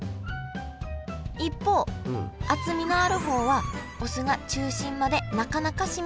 一方厚みのある方はお酢が中心までなかなか染み込みません。